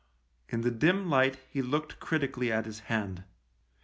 . In the dim light he looked critically at his hand.